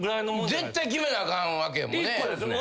絶対決めなあかんわけやもんね。